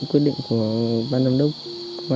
con ở đây ngon nhé